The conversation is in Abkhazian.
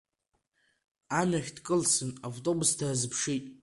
Амҩахь дкылсын, автобус даазԥшит.